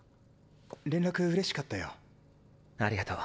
連絡うれしかったよ。ありがと。